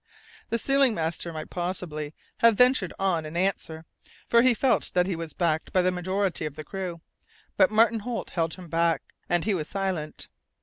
The sealing master might possibly have ventured on an answer, for he felt that he was backed by the majority of the crew; but Martin Holt held him back, and he was silent.